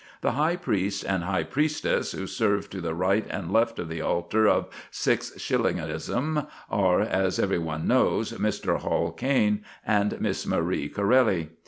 The high priest and the high priestess who serve to the right and left of the altar of six shillingism are, as every one knows, Mr. Hall Caine and Miss Marie Corelli.